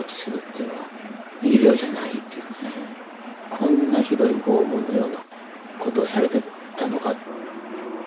こんなひどい拷問のようなことをされてたのか。